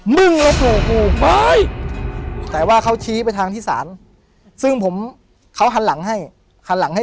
มึงลบหลู่กูไปแต่ว่าเขาชี้ไปทางที่ศาลซึ่งผมเขาหันหลังให้